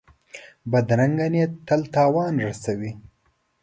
بدرنګه نیت تل تاوان رسوي